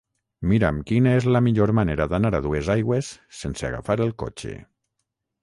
Mira'm quina és la millor manera d'anar a Duesaigües sense agafar el cotxe.